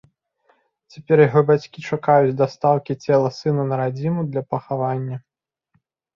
Цяпер яго бацькі чакаюць дастаўкі цела сына на радзіму для пахавання.